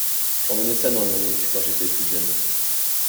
J’emmenais ça dans les manifs quand j’étais plus jeune.